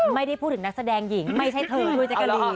ไม่ได้พูดถึงนักแสดงหญิงไม่ใช่เธอด้วยแจ๊กกะลีน